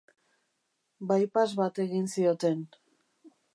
Bypass bat egin zioten.